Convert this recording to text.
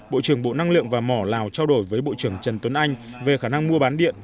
bộ trưởng bộ năng lượng và mỏ lào trao đổi với bộ trưởng trần tuấn anh về khả năng mua bán điện